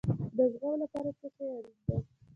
د زغم لپاره څه شی اړین دی؟